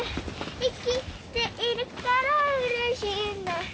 いきているからうれしいんだ